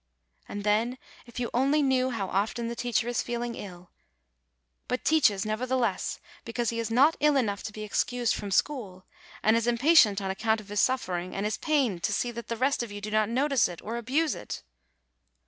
And then, if you only knew how often the teacher is feeling ill, but teaches, nevertheless, because he is not ill enough to be excused from school; and is impatient on account of his suffering, and is pained to see that the rest of you do not notice it, or abuse it!